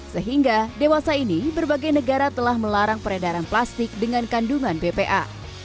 sehingga dewasa ini berbagai negara telah melarang peredaran plastik dengan kandungan bpa